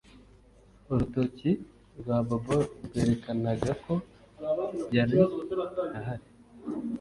Urutoki rwa Bobo rwerekanaga ko yari ahari